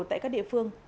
tại các địa phương